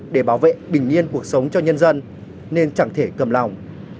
để bảo vệ bình yên cuộc sống cho nhân dân nên chẳng thể cầm lòng